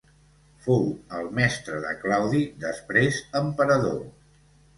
Fou el mestre de Claudi, després emperador.